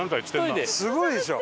すごい。